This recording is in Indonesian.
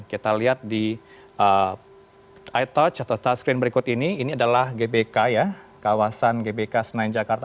kita lihat di touch atau tas screen berikut ini ini adalah gbk ya kawasan gbk senayan jakarta